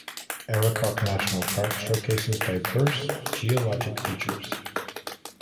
Arikok National Park showcases diverse geologic features.